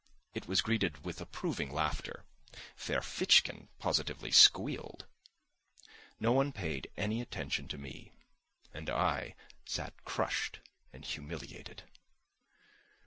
It was greeted with approving laughter; Ferfitchkin positively squealed. No one paid any attention to me, and I sat crushed and humiliated.